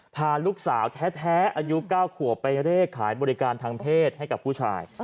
พาลูกสาวแท้อายุ๙ขวบไปเร่ขายบริการทางเพศให้กับผู้ชาย